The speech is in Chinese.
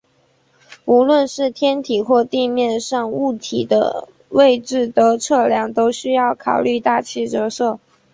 无论是天体或地面上物体位置的测量都需要考虑大气折射。